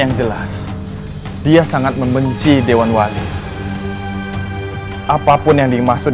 jangan ada yang memukul v chopsticks dan memukul make spice